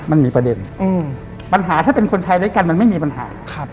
มันมีประเด็นปัญหาถ้าเป็นคนไทยด้วยกันมันไม่มีปัญหา